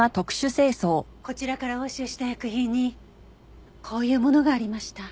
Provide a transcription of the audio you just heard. こちらから押収した薬品にこういうものがありました。